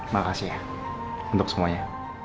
makasih ya untuk semuanya